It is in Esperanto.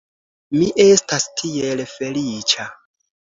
Mi estas tiel feliĉa!